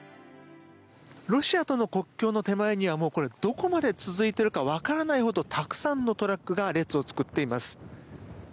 ロシアとの国境の手前にはどこまで続いているか分からないほどたくさんのトラックが列を作っています。